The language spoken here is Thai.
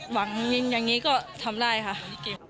อย่างนี้ก็ทำได้ค่ะ